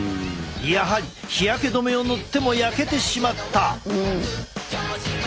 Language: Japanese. やはり日焼け止めを塗っても焼けてしまった。